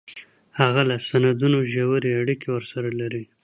هغه له سندونو ژورې اړیکې ورسره لري